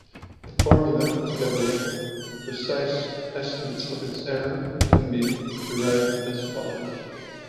The formula, together with precise estimates of its error, can be derived as follows.